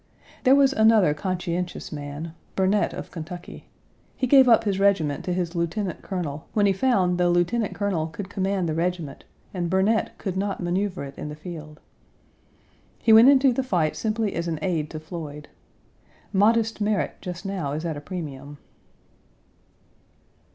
There was another conscientious man Burnet, of Kentucky. He gave up his regiment to his lieutenant colonel when he found the lieutenant colonel could command the regiment and Burnet could not maneuver it in the field. He went into the fight simply as an aide to Floyd. Modest merit just now is at a premium.